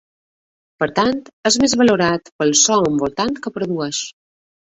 Per tant, és més valorat pel so envoltant que produeix.